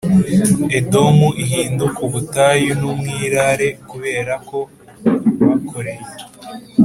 Edomu ihinduke ubutayu n umwirare kubera ko bakoreye